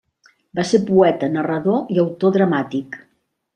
Va ser poeta, narrador i autor dramàtic.